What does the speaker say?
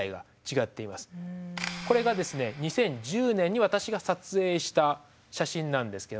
これがですね２０１０年に私が撮影した写真なんですけど。